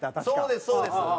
そうですそうです。